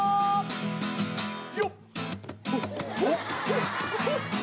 よっ！